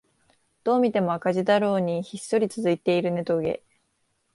どう見ても赤字だろうにひっそり続いているネトゲ